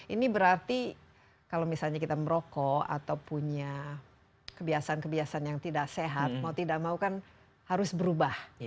ini berarti kalau misalnya kita merokok atau punya kebiasaan kebiasaan yang tidak sehat mau tidak mau kan harus berubah